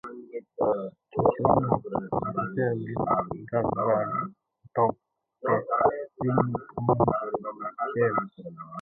It is one of publisher Dargaud's top five best selling comics series.